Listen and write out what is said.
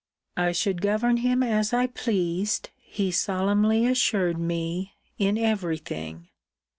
I should govern him as I pleased, he solemnly assured me, in every thing.